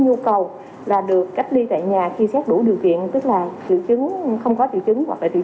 nhu cầu là được cách ly tại nhà khi xét đủ điều kiện tức là không có triệu chứng hoặc là triệu